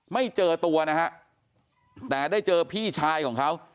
ไม่เจอตัวนะฮะแต่ได้เจอพี่ชายของเขา